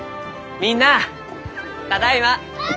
みんなあただいま！